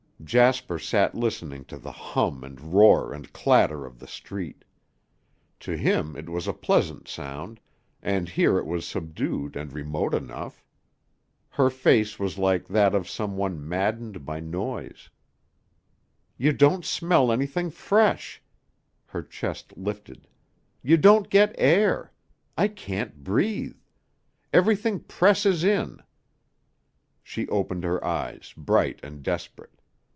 Jasper sat listening to the hum and roar and clatter of the street. To him it was a pleasant sound, and here it was subdued and remote enough. Her face was like that of some one maddened by noise. "You don't smell anything fresh" her chest lifted "you don't get air. I can't breathe. Everything presses in." She opened her eyes, bright and desperate.